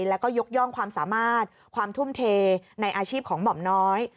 แล้วก็ยกย่องความสามารถความทุ่มเทในอาชีพของหม่อมน้อย